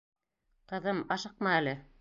Ҡыҙым, ашыҡма әле.